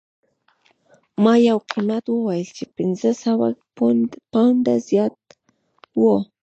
ما یو قیمت وویل چې پنځه سوه پونډه زیات و